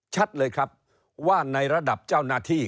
ชัดเลยครับว่าในระดับเจ้าหน้าที่